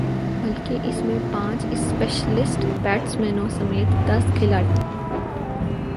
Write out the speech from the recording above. بلکہ اس میں پانچ اسپیشلسٹ بیٹسمینوں سمیت دس کھلاڑی